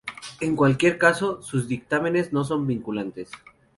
En cualquier caso, sus dictámenes no son vinculantes.